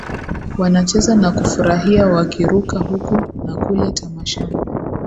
Wanacheza na kufurahia wakiruka huku na kule tamashani